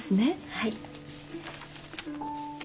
はい。